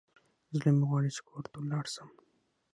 زړه مي غواړي چي کور ته ولاړ سم.